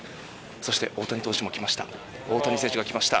そして大谷選手が来ました。